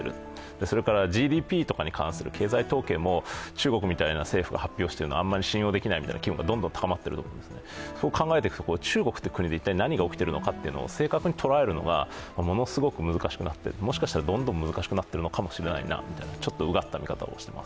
それからＧＤＰとかに関する経済統計も中国みたいな政府が発表しているのはあまり信用できないみたいな機運がどんどん高まっていると思うんですね、そう考えていくと中国って国で一体何が起きているのかを正確にとらえるのがものすごく難しくなっている、もしかしたらどんどん難しくなっているかもしれないなとちょっとうがった見方をしています。